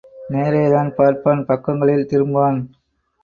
நேரேதான் பார்ப்பான் பக்கங்களில் திரும்பான்.